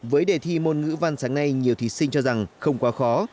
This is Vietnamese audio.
với đề thi môn ngữ văn sáng nay nhiều thí sinh cho rằng không quá khó